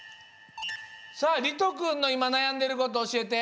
さありとくんのいまなやんでることおしえて。